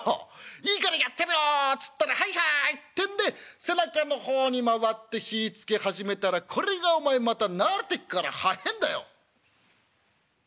『いいからやってみろ』っつったら『はいはい』ってんで背中の方に回って火ぃつけ始めたらこれがお前また慣れてっから速えんだよ」。